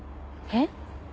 えっ？